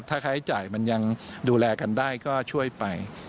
ถ้าค่าใช้จ่ายมันยังดูแลกันได้ก็ช่วยไป